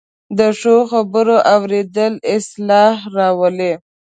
د ښو خبرو اورېدل اصلاح راولي